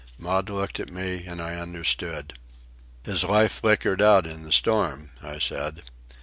Maud looked at me and I understood. "His life flickered out in the storm," I said.